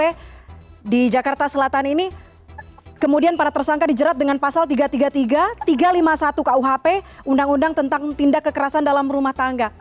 karena di jakarta selatan ini kemudian para tersangka dijerat dengan pasal tiga ratus tiga puluh tiga tiga ratus lima puluh satu kuhp undang undang tentang tindak kekerasan dalam rumah tangga